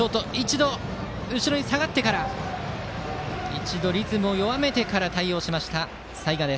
一度リズムを弱めてから対応した齊賀。